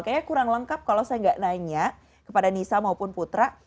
kayaknya kurang lengkap kalau saya nggak nanya kepada nisa maupun putra